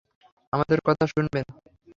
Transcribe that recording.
আমাদের কথা শুনবেন।